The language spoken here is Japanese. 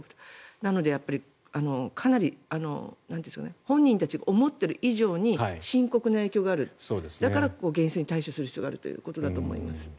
なので、かなり本人たちが思っている以上に深刻な影響があるだから厳正に対処する必要があるということだと思います。